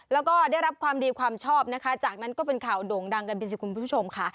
แล้วก็ได้รับความดีความชอบนะคะจากนั้นก็เป็นข่าวโด่งดังกันไปสิคุณผู้ชมค่ะ